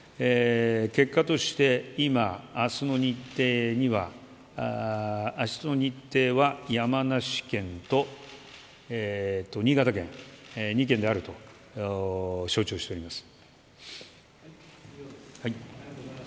結果として今、明日の日程は山梨県と新潟県２県であると承知をしております。